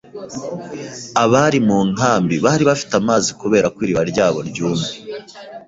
Abari mu nkambi bari bafite amazi kubera ko iriba ryabo ryumye.